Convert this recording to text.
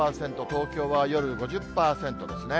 東京は夜５０％ですね。